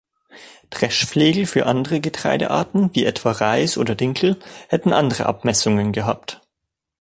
Dreschflegel für andere Getreidearten, wie etwa Reis oder Dinkel, hätten andere Abmessungen gehabt.